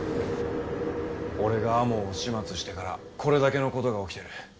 俺が天羽を始末してからこれだけの事が起きてる。